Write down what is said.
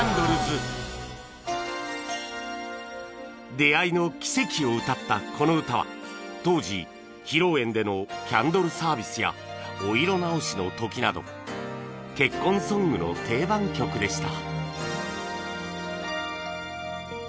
出会いの奇跡を歌ったこの歌は当時披露宴でのキャンドルサービスやお色直しの時など結婚ソングの定番曲でした